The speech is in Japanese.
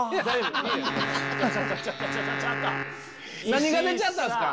何が出ちゃったんすか？